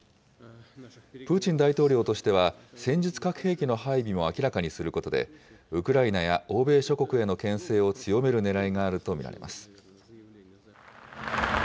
プーチン大統領としては、戦術核兵器の配備も明らかにすることで、ウクライナや欧米諸国へのけん制を強めるねらいがあると見られます。